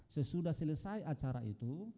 sesudah selesai acara itu